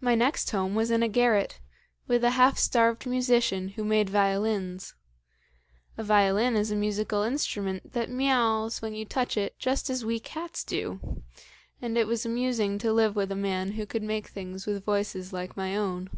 "My next home was in a garret, with a half starved musician who made violins. A violin is a musical instrument that miauls when you touch it just as we cats do, and it was amusing to live with a man who could make things with voices like my own.